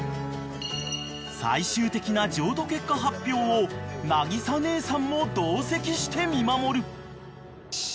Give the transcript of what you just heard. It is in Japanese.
［最終的な譲渡結果発表をなぎさ姉さんも同席して見守る］